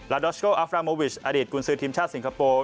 ลาดดอสโซอฟราโมวิชอัดดิตกุญสือทีมชาติสิงคโปร์